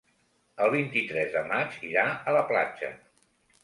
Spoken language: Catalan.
El vint-i-tres de maig irà a la platja.